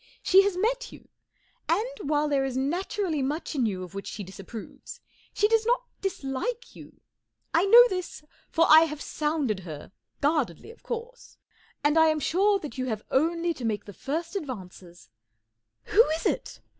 She has met you ; and, while there is naturally much in you of which she d * ap (Wfeiwofti fM slike you 1 P. G. Wodehouse 157 know this, for I have sounded h er—gu a rdedl y, of course—and I am sure that you have only to make the first advances *' "Who is it?"